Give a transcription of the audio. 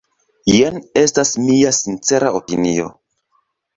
Jen estas mia sincera opinio.